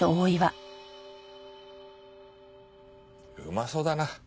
うまそうだな。